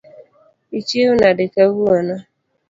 Ichiew nade kawuono.